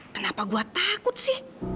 kenapa gue takut sih